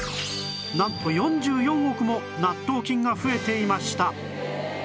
なんと４４億も納豆菌が増えていました